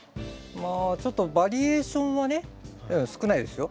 まあちょっとバリエーションはね少ないですよ。